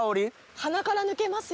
鼻から抜けますよね。